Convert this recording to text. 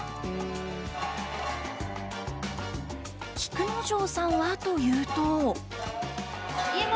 菊之丞さんはというと。